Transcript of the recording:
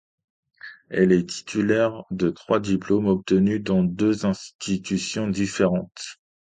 Elle est titulaire de trois diplômes, obtenus dans deux institutions différentes.